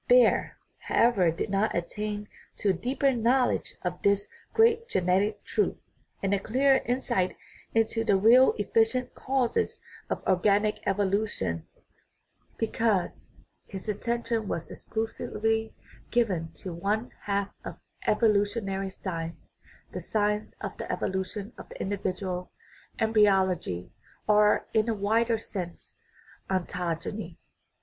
Baer, however, did not attain to a deeper knowledge of this great genetic truth and a clearer insight into the real efficient causes of organic evolution, because 267 THE RIDDLE OF THE UNIVERSE his attention was exclusively given to one half of evo lutionary science, the science of the evolution of the individual, embryology, or, in a wider sense, ontogeny.